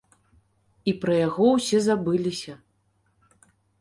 І пра яго ўсе забыліся.